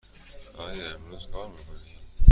آیا امروز کار می کنید؟